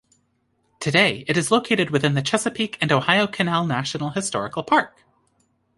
Today, it is located within the Chesapeake and Ohio Canal National Historical Park.